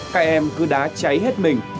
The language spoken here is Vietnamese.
các em cứ đá cháy hết mình